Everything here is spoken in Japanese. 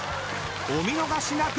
［お見逃しなく］